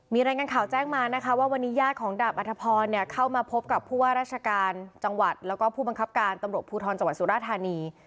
มีรายงานข่าวแจ้งมานะคะว่าวันนี้ญาติของดาบอัธพรเข้ามาพบกับผู้ว่าราชการจังหวัดแล้วก็ผู้บังคับการตำรวจภูทรจังหวัดสุราธานี